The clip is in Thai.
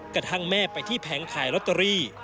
กระทั่งแม่ไปที่แผงขายลอตเตอรี่